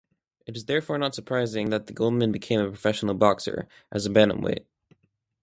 It is therefore not surprising that Goldman became a professional boxer, as a bantamweight.